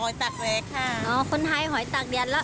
หอยตากชาวไทยนี้ค่ะ